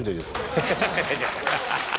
ハハハッ。